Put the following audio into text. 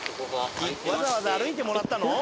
わざわざ歩いてもらったの？